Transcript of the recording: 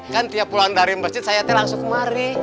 kan dia pulang dari masjid saya langsung kemari